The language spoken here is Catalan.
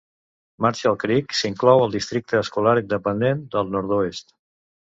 Marshall Creek s'inclou al districte escolar independent del nord-oest.